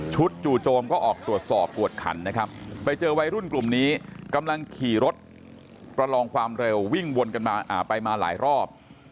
จู่โจมก็ออกตรวจสอบกวดขันนะครับไปเจอวัยรุ่นกลุ่มนี้กำลังขี่รถประลองความเร็ววิ่งวนกันมาไปมาหลายรอบ